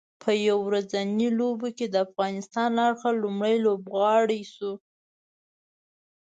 په یو ورځنیو لوبو کې د افغانستان له اړخه لومړی لوبغاړی شو